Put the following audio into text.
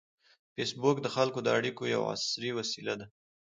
فېسبوک د خلکو د اړیکو یوه عصري وسیله ده